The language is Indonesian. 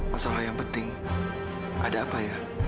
masalah yang penting ada apa ya